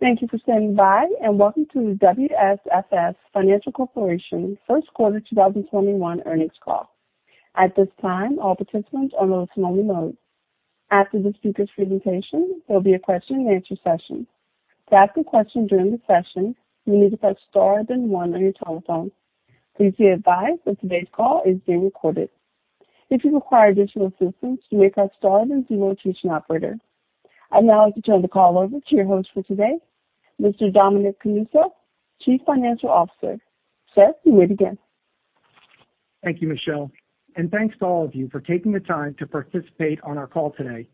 Thank you for standing by, welcome to the WSFS Financial Corporation first quarter 2021 earnings call. At this time, all participants are in listen-only mode. After the speaker's presentation, there'll be a question-and-answer session. To ask a question during the session, you need to press star then 1 on your telephone. Please be advised that today's call is being recorded. If you require additional assistance, you may press star then zero to reach an operator. I'd now like to turn the call over to your host for today, Mr. Dominic Canuso, Chief Financial Officer. Sir, you may begin. Thank you, Michelle. Thanks to all of you for taking the time to participate on our call today.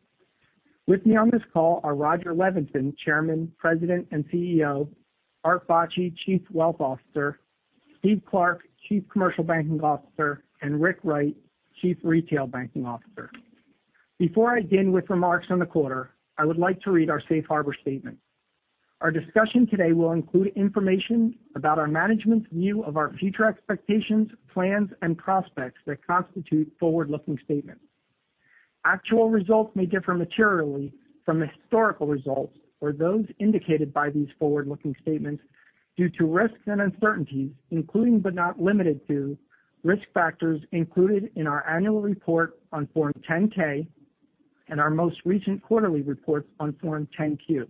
With me on this call are Rodger Levenson, Chairman, President, and CEO, Art Bacci, Chief Wealth Officer, Steve Clark, Chief Commercial Banking Officer, and Rick Wright, Chief Retail Banking Officer. Before I begin with remarks on the quarter, I would like to read our safe harbor statement. Our discussion today will include information about our management's view of our future expectations, plans, and prospects that constitute forward-looking statements. Actual results may differ materially from historical results or those indicated by these forward-looking statements due to risks and uncertainties, including but not limited to risk factors included in our annual report on Form 10-K and our most recent quarterly reports on Form 10-Q,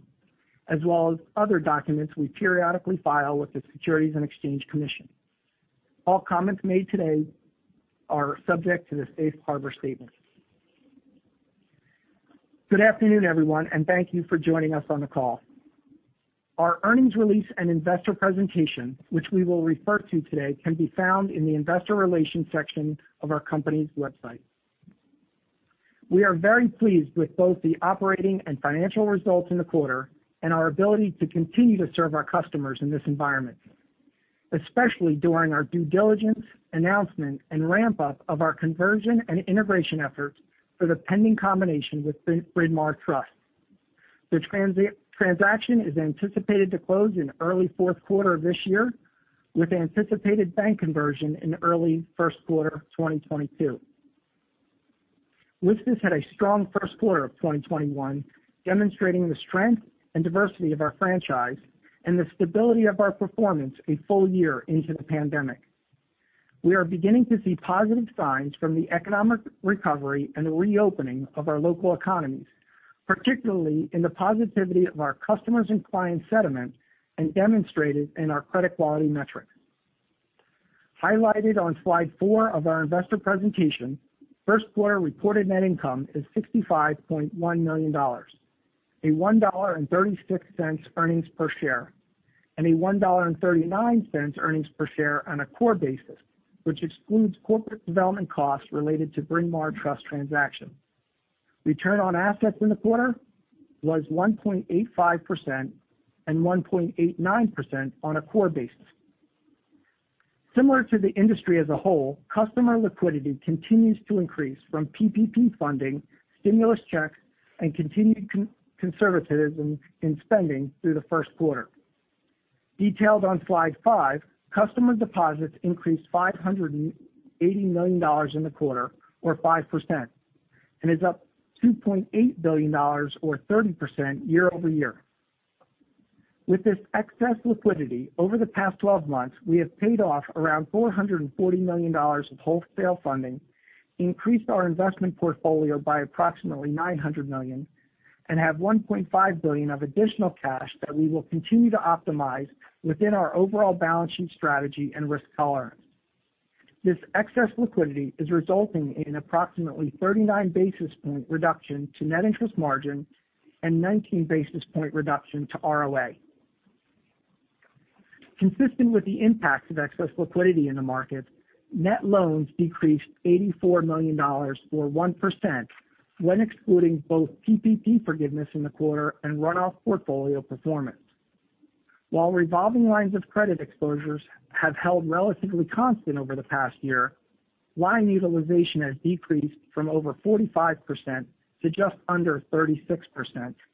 as well as other documents we periodically file with the Securities and Exchange Commission. All comments made today are subject to the safe harbor statement. Good afternoon, everyone, and thank you for joining us on the call. Our earnings release and investor presentation, which we will refer to today, can be found in the investor relations section of our company's website. We are very pleased with both the operating and financial results in the quarter and our ability to continue to serve our customers in this environment, especially during our due diligence, announcement, and ramp-up of our conversion and integration efforts for the pending combination with Bryn Mawr Trust. The transaction is anticipated to close in early fourth quarter of this year, with anticipated bank conversion in early first quarter 2022. WSFS had a strong first quarter of 2021, demonstrating the strength and diversity of our franchise and the stability of our performance a full year into the pandemic. We are beginning to see positive signs from the economic recovery and the reopening of our local economies, particularly in the positivity of our customers' and clients' sentiment and demonstrated in our credit quality metrics. Highlighted on slide four of our investor presentation, first quarter reported net income is $65.1 million, a $1.36 earnings per share, and a $1.39 earnings per share on a core basis, which excludes corporate development costs related to Bryn Mawr Trust transaction. Return on assets in the quarter was 1.85% and 1.89% on a core basis. Similar to the industry as a whole, customer liquidity continues to increase from PPP funding, stimulus checks, and continued conservatism in spending through the first quarter. Detailed on slide five, customer deposits increased $580 million in the quarter, or 5%, and is up $2.8 billion or 30% year-over-year. With this excess liquidity, over the past 12 months, we have paid off around $440 million of wholesale funding, increased our investment portfolio by approximately $900 million, and have $1.5 billion of additional cash that we will continue to optimize within our overall balance sheet strategy and risk tolerance. This excess liquidity is resulting in approximately 39 basis point reduction to net interest margin and 19 basis point reduction to ROA. Consistent with the impacts of excess liquidity in the market, net loans decreased $84 million, or 1%, when excluding both PPP forgiveness in the quarter and run-off portfolio performance. While revolving lines of credit exposures have held relatively constant over the past year, line utilization has decreased from over 45% to just under 36%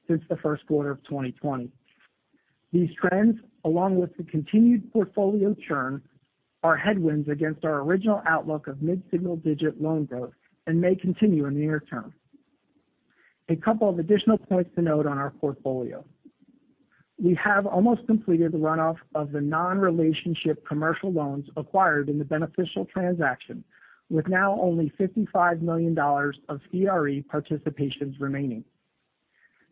since the first quarter of 2020. These trends, along with the continued portfolio churn, are headwinds against our original outlook of mid-single-digit loan growth and may continue in the near term. A couple of additional points to note on our portfolio. We have almost completed the run-off of the non-relationship commercial loans acquired in the Beneficial transaction, with now only $55 million of CRE participations remaining.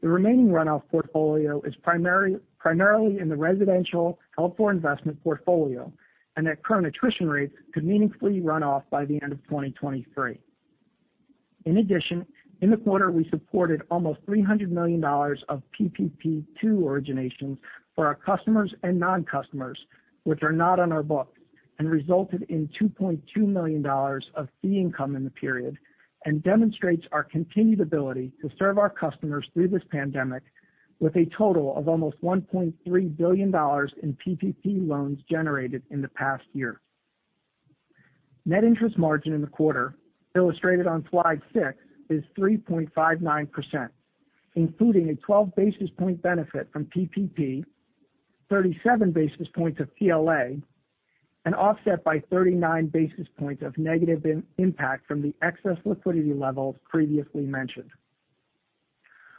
The remaining run-off portfolio is primarily in the residential held-for-investment portfolio, and at current attrition rates could meaningfully run off by the end of 2023. In addition, in the quarter, we supported almost $300 million of PPP2 originations for our customers and non-customers, which are not on our books and resulted in $2.2 million of fee income in the period and demonstrates our continued ability to serve our customers through this pandemic with a total of almost $1.3 billion in PPP loans generated in the past year. Net interest margin in the quarter, illustrated on slide six, is 3.59%, including a 12 basis point benefit from PPP 37 basis points of CLA and offset by 39 basis points of negative impact from the excess liquidity levels previously mentioned.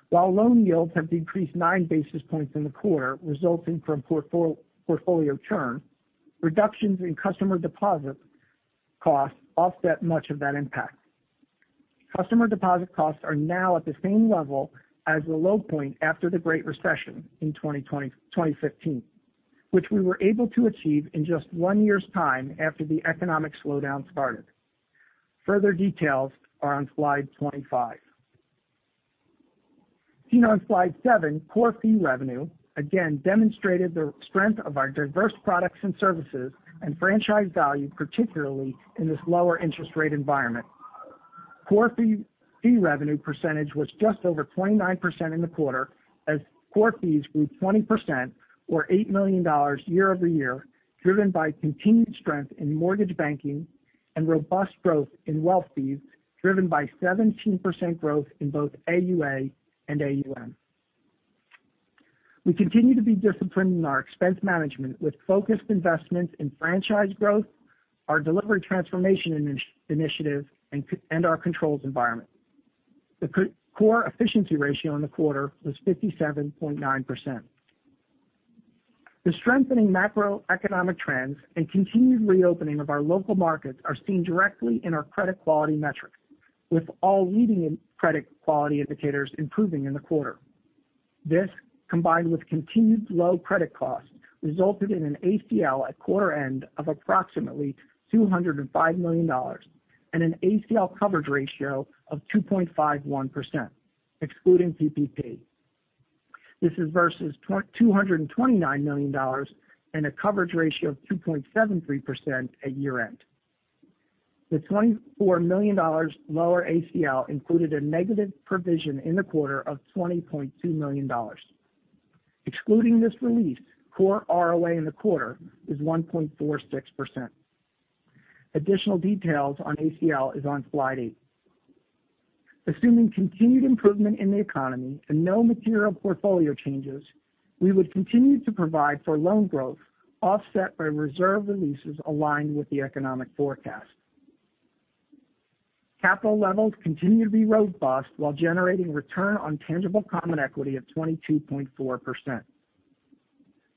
While loan yields have decreased nine basis points in the quarter, resulting from portfolio churn, reductions in customer deposit costs offset much of that impact. Customer deposit costs are now at the same level as the low point after the Great Recession in 2015, which we were able to achieve in just one year's time after the economic slowdown started. Further details are on slide 25. Seen on slide seven, core fee revenue again demonstrated the strength of our diverse products and services and franchise value, particularly in this lower interest rate environment. Core fee revenue % was just over 29% in the quarter as core fees grew 20% or $8 million year-over-year, driven by continued strength in mortgage banking and robust growth in wealth fees, driven by 17% growth in both AUA and AUM. We continue to be disciplined in our expense management with focused investments in franchise growth, our delivery transformation initiative, and our controls environment. The core efficiency ratio in the quarter was 57.9%. The strengthening macroeconomic trends and continued reopening of our local markets are seen directly in our credit quality metrics, with all leading credit quality indicators improving in the quarter. This, combined with continued low credit costs, resulted in an ACL at quarter end of approximately $205 million and an ACL coverage ratio of 2.51%, excluding PPP. This is versus $229 million and a coverage ratio of 2.73% at year-end. The $24 million lower ACL included a negative provision in the quarter of $20.2 million. Excluding this release, core ROA in the quarter is 1.46%. Additional details on ACL is on slide eight. Assuming continued improvement in the economy and no material portfolio changes, we would continue to provide for loan growth offset by reserve releases aligned with the economic forecast. Capital levels continue to be robust while generating return on tangible common equity of 22.4%.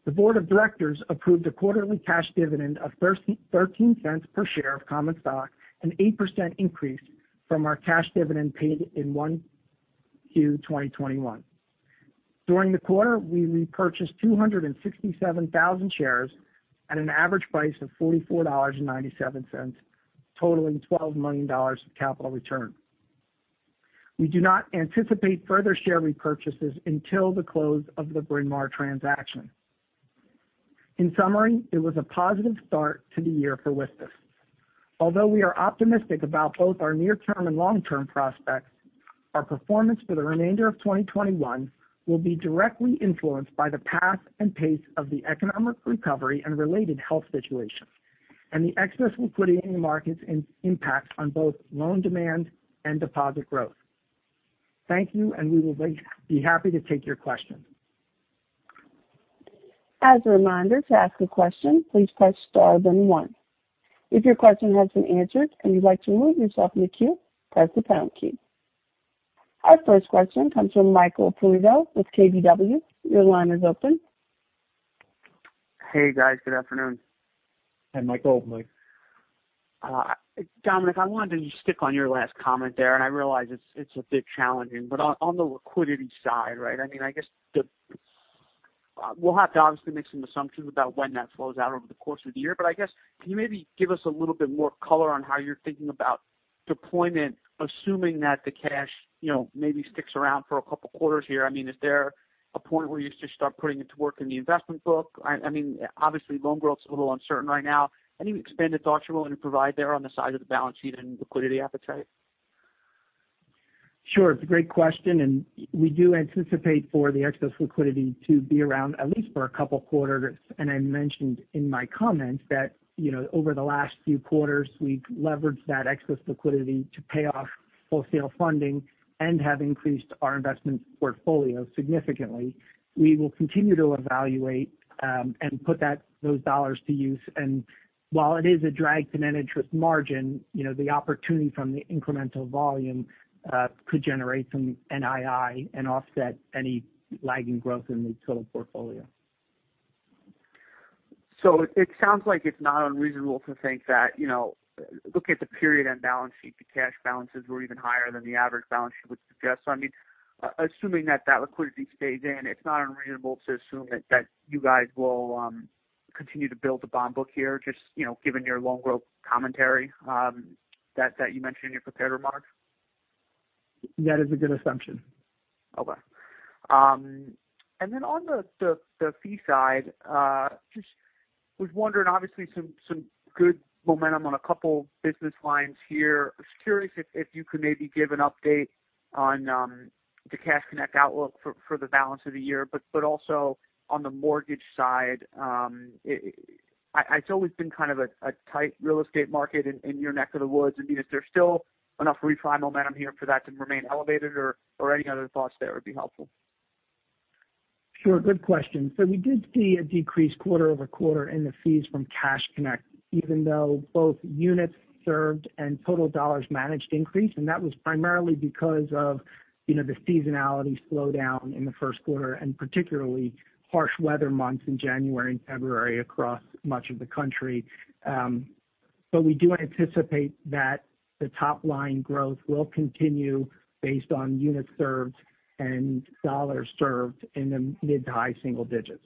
The board of directors approved a quarterly cash dividend of $0.13 per share of common stock, an 8% increase from our cash dividend paid in Q1 2021. During the quarter, we repurchased 267,000 shares at an average price of $44.97, totaling $12 million of capital return. We do not anticipate further share repurchases until the close of the Bryn Mawr transaction. In summary, it was a positive start to the year for WSFS. Although we are optimistic about both our near-term and long-term prospects, our performance for the remainder of 2021 will be directly influenced by the path and pace of the economic recovery and related health situation. The excess liquidity in the market's impact on both loan demand and deposit growth. Thank you, and we will be happy to take your questions. As a reminder, to ask a question, please press star, then one. If your question has been answered and you'd like to remove yourself from the queue, press the pound key. Our first question comes from Michael Perito with KBW. Your line is open. Hey, guys. Good afternoon. Hi, Michael. Dominic, I wanted to just stick on your last comment there, and I realize it's a bit challenging, but on the liquidity side, right? I guess we'll have to obviously make some assumptions about when that flows out over the course of the year. I guess, can you maybe give us a little bit more color on how you're thinking about deployment, assuming that the cash maybe sticks around for a couple of quarters here? Is there a point where you just start putting it to work in the investment book? Obviously, loan growth's a little uncertain right now. Any expanded thoughts you're willing to provide there on the side of the balance sheet and liquidity appetite? Sure. It's a great question. We do anticipate for the excess liquidity to be around at least for a couple of quarters. I mentioned in my comments that over the last few quarters, we've leveraged that excess liquidity to pay off wholesale funding and have increased our investment portfolio significantly. We will continue to evaluate and put those dollars to use. While it is a drag to net interest margin, the opportunity from the incremental volume could generate some NII and offset any lagging growth in the total portfolio. It sounds like it's not unreasonable to think that, looking at the period end balance sheet, the cash balances were even higher than the average balance sheet would suggest. Assuming that that liquidity stays in, it's not unreasonable to assume that you guys will continue to build a bond book here, just given your loan growth commentary that you mentioned in your prepared remarks? That is a good assumption. Okay. Then on the fee side, just was wondering, obviously some good momentum on a couple business lines here. Just curious if you could maybe give an update on the Cash Connect outlook for the balance of the year, but also on the mortgage side. It's always been kind of a tight real estate market in your neck of the woods. I mean, is there still enough refi momentum here for that to remain elevated or any other thoughts there would be helpful? Sure. Good question. We did see a decrease quarter-over-quarter in the fees from Cash Connect, even though both units served and total dollars managed increased. That was primarily because of the seasonality slowdown in the first quarter, and particularly harsh weather months in January and February across much of the country. We do anticipate that the top-line growth will continue based on units served and dollars served in the mid-to-high single digits.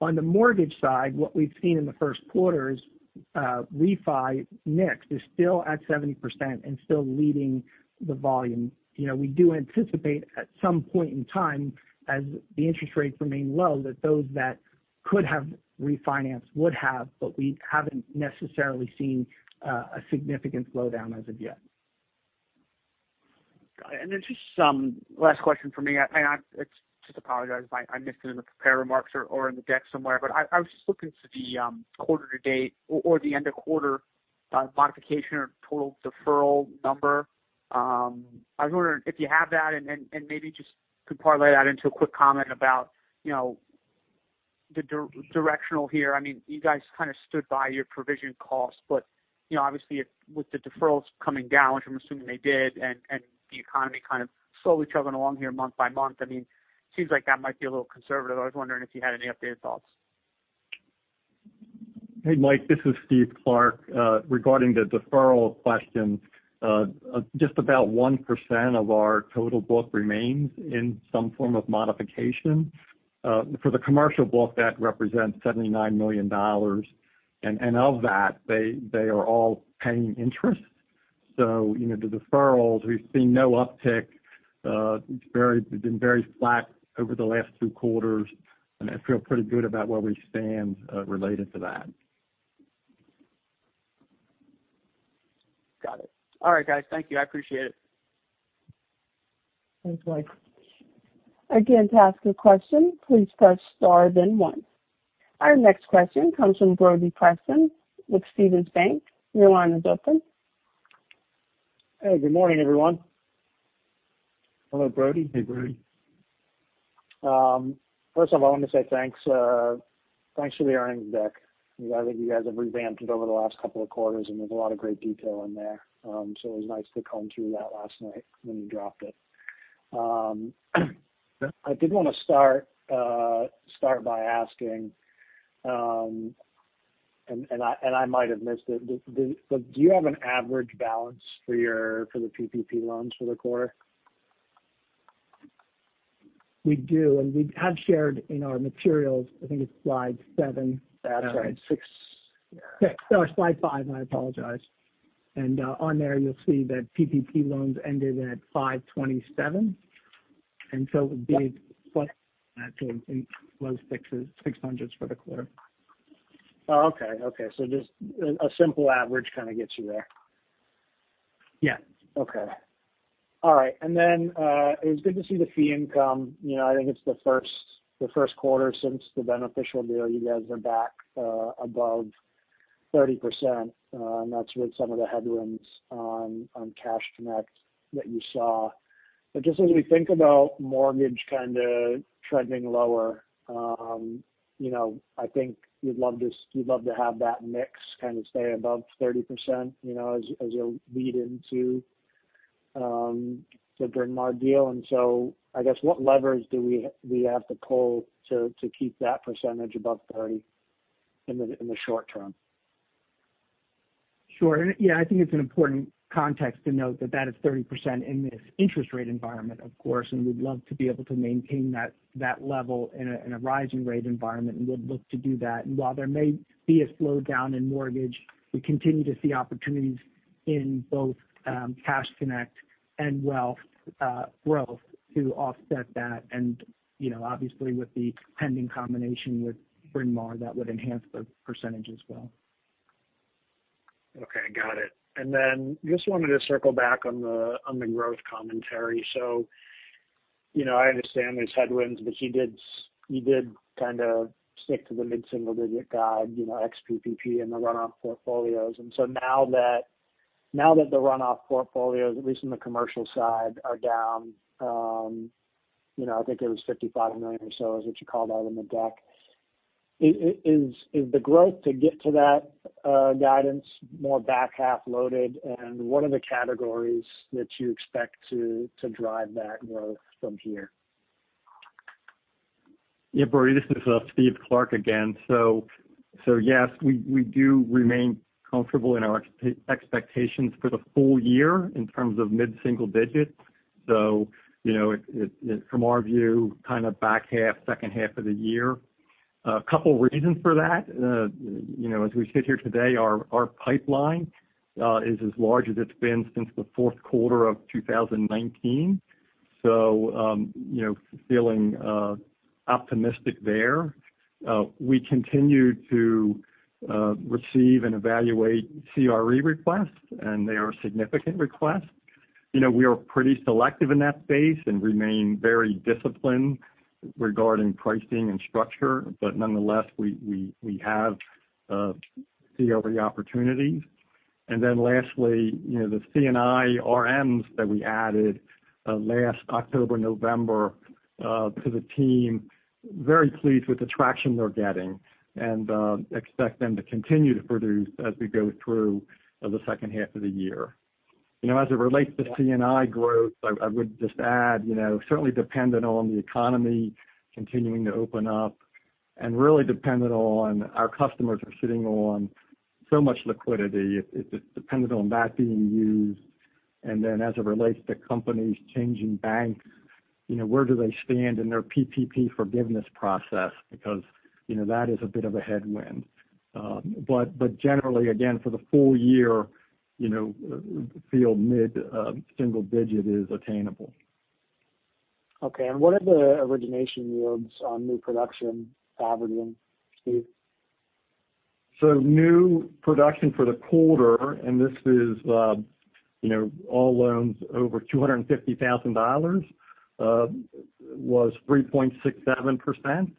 On the mortgage side, what we've seen in the first quarter is refi mix is still at 70% and still leading the volume. We do anticipate at some point in time, as the interest rates remain low, that those that could have refinanced would have, but we haven't necessarily seen a significant slowdown as of yet. Got it. Just some last question from me. I just apologize, I missed it in the prepared remarks or in the deck somewhere. I was just looking through the quarter to date or the end of quarter modification or total deferral number. I was wondering if you have that and maybe just could parlay that into a quick comment about the directional here. I mean, you guys kind of stood by your provision cost. Obviously with the deferrals coming down, which I'm assuming they did, and the economy kind of slowly chugging along here month by month, I mean, seems like that might be a little conservative. I was wondering if you had any updated thoughts. Hey, Mike, this is Steve Clark. Regarding the deferral question, just about 1% of our total book remains in some form of modification. For the commercial book, that represents $79 million. Of that, they are all paying interest. The deferrals, we've seen no uptick. It's been very flat over the last two quarters, and I feel pretty good about where we stand related to that. Got it. All right, guys. Thank you. I appreciate it. Thanks, Mike. Again to ask a question please press star then one. Our next question comes from Brody Preston with Stephens Inc.. Your line is open. Hey, good morning, everyone. Hello, Brody. Hey, Brody. First of all, let me say thanks for the earnings deck. I think you guys have revamped it over the last couple of quarters, and there's a lot of great detail in there. It was nice to comb through that last night when you dropped it. I did want to start by asking, and I might have missed it. Do you have an average balance for the PPP loans for the quarter? We do, and we have shared in our materials. I think it's slide seven. That's right. Six. Sorry, slide five. I apologize. On there, you'll see that PPP loans ended at $527. It would be plus low $600s for the quarter. Oh, okay. Just a simple average kind of gets you there. Yeah. Okay. All right. It was good to see the fee income. I think it's the first quarter since the Beneficial deal, you guys are back above 30%, That's with some of the headwinds on Cash Connect that you saw. As we think about mortgage kind of trending lower, I think you'd love to have that mix kind of stay above 30% as you lead into the Bryn Mawr deal. I guess what levers do we have to pull to keep that percentage above 30% in the short term? Sure. Yeah, I think it's an important context to note that that is 30% in this interest rate environment, of course, and we'd love to be able to maintain that level in a rising rate environment and would look to do that. While there may be a slowdown in mortgage, we continue to see opportunities in both Cash Connect and wealth growth to offset that. Obviously with the pending combination with Bryn Mawr, that would enhance the % as well. Okay, got it. Then just wanted to circle back on the growth commentary. I understand there's headwinds, but you did kind of stick to the mid-single-digit guide, ex-PPP in the runoff portfolios. Now that the runoff portfolios, at least in the commercial side, are down, I think it was $55 million or so is what you called out in the deck. Is the growth to get to that guidance more back half loaded? What are the categories that you expect to drive that growth from here? Yeah, Brody, this is Steve Clark again. Yes, we do remain comfortable in our expectations for the full year in terms of mid-single digits. From our view, kind of back half, second half of the year. A couple reasons for that. As we sit here today, our pipeline is as large as it's been since the fourth quarter of 2019. Feeling optimistic there. We continue to receive and evaluate CRE requests, and they are significant requests. We are pretty selective in that space and remain very disciplined regarding pricing and structure. Nonetheless, we have CRE opportunities. Lastly, the C&I RMs that we added last October, November to the team, very pleased with the traction they're getting and expect them to continue to produce as we go through the second half of the year. As it relates to C&I growth, I would just add, certainly dependent on the economy continuing to open up and really dependent on our customers are sitting on so much liquidity. It's dependent on that being used. As it relates to companies changing banks, where do they stand in their PPP forgiveness process? Because that is a bit of a headwind. Generally, again, for the full year, we feel mid-single digit is attainable. Okay. What are the origination yields on new production averaging, Steve? New production for the quarter, and this is all loans over $250,000, was 3.67%.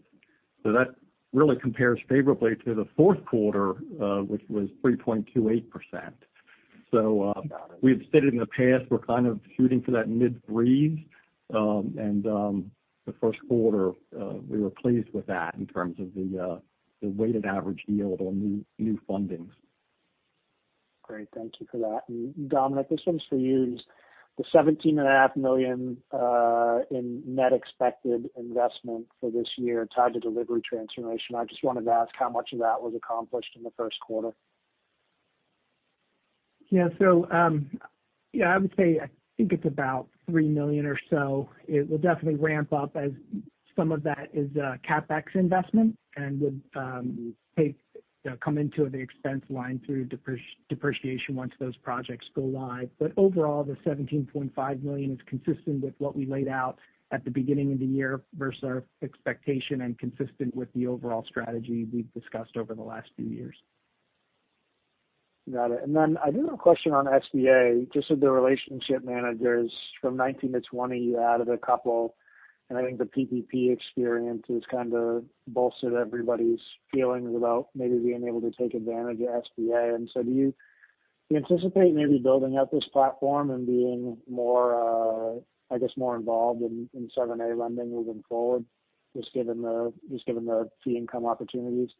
That really compares favorably to the fourth quarter, which was 3.28%. We've stated in the past, we're kind of shooting for that mid-threes. The first quarter, we were pleased with that in terms of the weighted average yield on new fundings. Great. Thank you for that. Dominic, this one's for you. The $17.5 million in net expected investment for this year tied to delivery transformation. I just wanted to ask how much of that was accomplished in the first quarter. I think it's about $3 million or so. It will definitely ramp up as some of that is CapEx investment and would come into the expense line through depreciation once those projects go live. Overall, the $17.5 million is consistent with what we laid out at the beginning of the year versus our expectation and consistent with the overall strategy we've discussed over the last few years. Got it. I do have a question on SBA, just with the relationship managers from 2019-2020, you added a couple, and I think the PPP experience has kind of bolstered everybody's feelings about maybe being able to take advantage of SBA. Do you anticipate maybe building out this platform and being more involved in 7(a) lending moving forward, just given the fee income opportunities?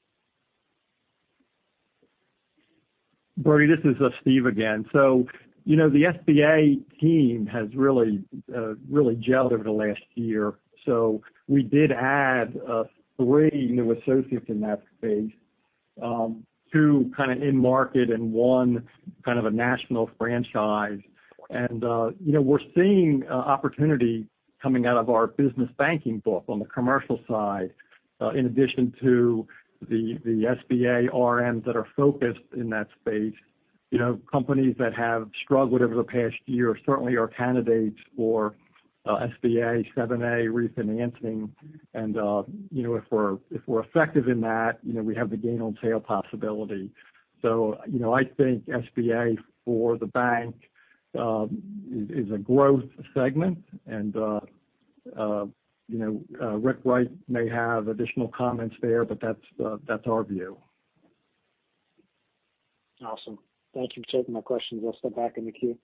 Brody, this is Steve again. The SBA team has really gelled over the last year. We did add three new associates in that space, two kind of in-market and one kind of a national franchise. We're seeing opportunity coming out of our business banking book on the commercial side, in addition to the SBA RMs that are focused in that space. Companies that have struggled over the past year certainly are candidates for SBA 7(a) refinancing. If we're effective in that, we have the gain on sale possibility. I think SBA for the bank is a growth segment. Rick Wright may have additional comments there, but that's our view. Awesome. Thank you for taking my questions. I'll step back in the queue.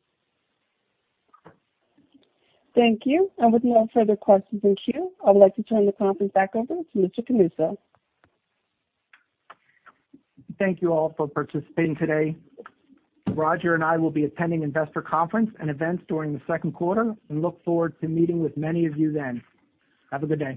Thank you. With no further questions in queue, I would like to turn the conference back over to Mr. Canuso. Thank you all for participating today. Rodger and I will be attending investor conference and events during the second quarter and look forward to meeting with many of you then. Have a good day.